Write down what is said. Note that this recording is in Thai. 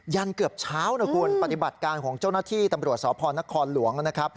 ยันเกือบเช้าปฏิบัติการของเจ้าหน้าที่ตำรวจสนครหลวงศ์